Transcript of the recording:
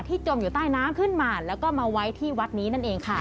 จมอยู่ใต้น้ำขึ้นมาแล้วก็มาไว้ที่วัดนี้นั่นเองค่ะ